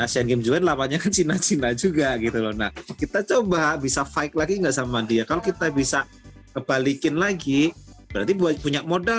selanjutnya tinggal ikut kualifikasi lagi gitu loh